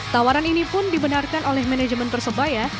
tawaran ini pun dibenarkan oleh manajemen persebaya